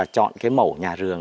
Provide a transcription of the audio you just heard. chọn cái mẫu nhà rường